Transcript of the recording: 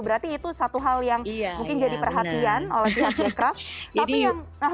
berarti itu satu hal yang mungkin jadi perhatian oleh pihak bekraf